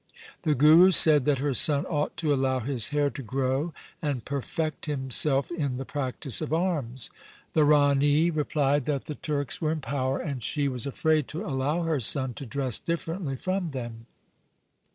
The Guru said that her son ought to allow his hair to grow and perfect himself in the practice of arms. The Rani replied that the Turks were in power, and she was afraid to allow her son to dress differently from them.